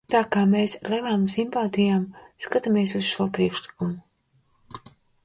Tā ka mēs ar lielām simpātijām skatāmies uz šo priekšlikumu.